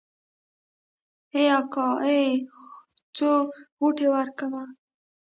ای اکا ای څو غوټې ورکمه.